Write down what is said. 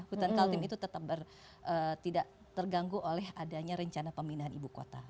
hutan kaltim itu tetap tidak terganggu oleh adanya rencana pemindahan ibu kota